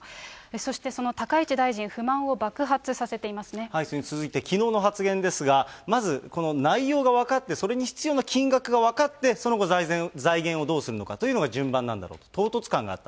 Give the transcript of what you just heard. そしてその高市大臣、続いてきのうの発言ですが、まず、この内容が分かって、それに必要な金額が分かって、その後、財源をどうするのかというのが順番なんだと、唐突感があった。